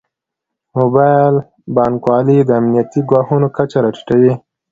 د موبایل بانکوالي د امنیتي ګواښونو کچه راټیټوي.